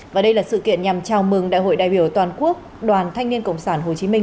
và đây là sự kiện nhằm chào mừng đại hội đại biểu toàn quốc đoàn thanh niên cộng sản hồ chí minh